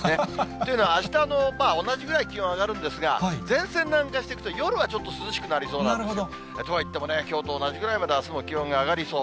というのは、あしたの同じぐらい気温上がるんですが、前線が南下してきて、夜はちょっと涼しくなりそうなんですよ。とはいってもね、きょうと同じぐらいまであすも気温が上がりそう。